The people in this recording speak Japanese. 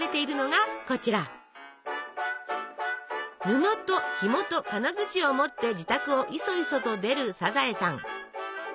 布とひもと金づちを持って自宅をいそいそと出るサザエさん。